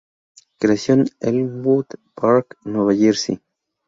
Creció en Elmwood Park, Nueva Jersey.